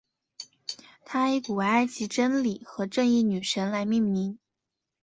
它以古埃及真理和正义女神来命名。